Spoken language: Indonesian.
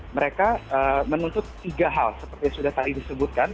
mereka menuntut tiga hal seperti sudah tadi disebutkan